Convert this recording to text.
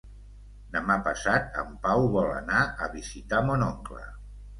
Demà passat en Pau vol anar a visitar mon oncle.